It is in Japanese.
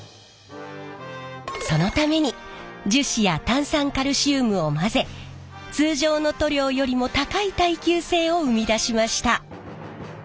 そのために樹脂や炭酸カルシウムを混ぜ通常の塗料よりも高い耐久性を生み出しました。